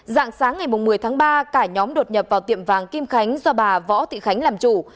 dạng sáng ngày một mươi tháng ba cả nhóm đột nhập vào tiệm vàng kim khánh do bà võ thị khánh làm chủ